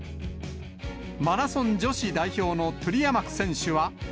マラソン女子代表のトゥリアマク選手は。